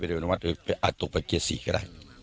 ไปเร็วทั้งหมดอาจตกไปเกียร์สี่ก็ได้